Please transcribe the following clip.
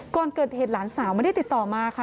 ก่อนเกิดเหตุหลานสาวไม่ได้ติดต่อมาค่ะ